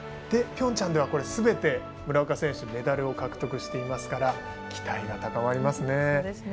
ピョンチャンではすべて村岡選手メダルを獲得していますから期待が高まりますね。